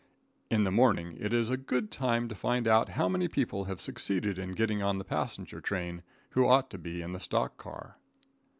In the morning is a good time to find out how many people have succeeded in getting on the passenger train, who ought to be in the stock car.